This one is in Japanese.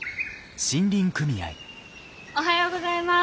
おはようございます。